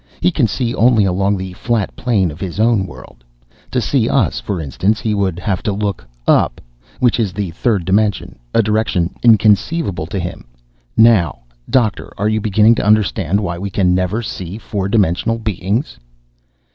He can see only along the flat plane of his own world. To see us, for instance, he would have to look up, which is the third dimension, a direction inconceivable to him. Now, Doctor, are you beginning to understand why we can never see four dimensional beings?"